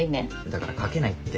だから賭けないって。